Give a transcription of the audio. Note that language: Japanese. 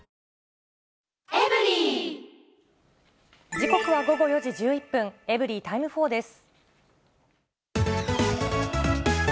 時刻は午後４時１１分、エブリィタイム４です。